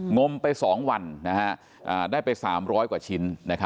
งมไป๒วันได้ไป๓๐๐กว่าชิ้น